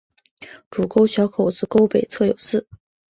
主沟小口子沟北侧有寺。